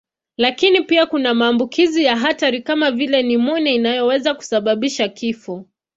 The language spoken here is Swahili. Lakini pia kuna maambukizi ya hatari kama vile nimonia inayoweza kusababisha kifo.